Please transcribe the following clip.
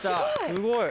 すごい！